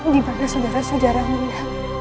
dimana saudara saudara muda